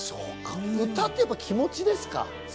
歌ってやっぱり気持ちですか？